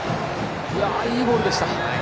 いいボールでした。